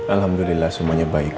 alhamdulillah semuanya baik